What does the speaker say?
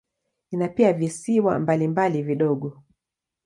Ina pia visiwa mbalimbali vidogo.